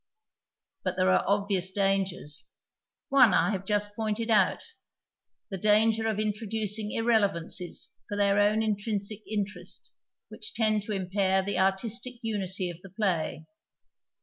But there are obvious dangers. One I have just pointed out, the danger of introducing irrelevancies for their own intrinsic interest, which tend to impair the artistic unity of the play.